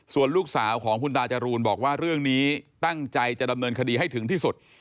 ส่วนลูกสาวของคุณตาจรูนบอกว่าเรื่องนี้ตั้งใจจะดำเนินคดีให้ถึงที่สุด